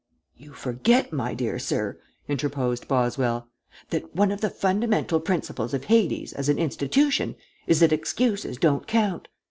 "You forget, my dear sir," interposed Boswell, "that one of the fundamental principles of Hades as an institution is that excuses don't count.